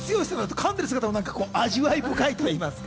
かんでる姿も味わい深いというか。